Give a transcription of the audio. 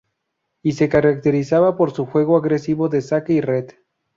Y se caracterizaba por su juego agresivo de saque y red.